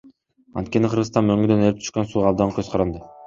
Анткени Кыргызстан мөңгүдөн эрип түшкөн сууга абдан көз каранды.